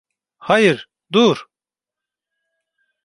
Hayır, dur!